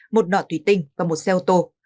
một nọ tùy tinh và một xe ô tô